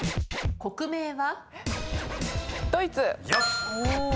国名は？